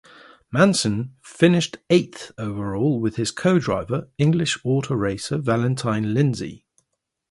Mason finished eighth overall with his co-driver, English auto racer Valentine Lindsay.